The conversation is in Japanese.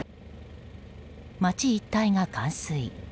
町一帯が冠水。